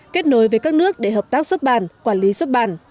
kết nối với các nước để hợp tác xuất bản quản lý xuất bản